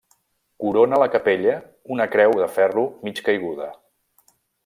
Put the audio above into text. Corona la capella una creu de ferro mig caiguda.